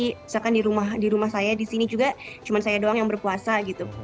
misalkan di rumah saya di sini juga cuma saya doang yang berpuasa gitu